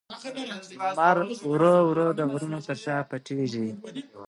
لمر ورو ورو د غرونو تر شا پټېږي.